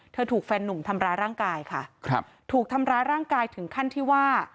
ถูกแฟนหนุ่มทำร้ายร่างกายค่ะครับถูกทำร้ายร่างกายถึงขั้นที่ว่า